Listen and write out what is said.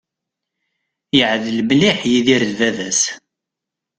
Yeεdel mliḥ Yidir d baba-s.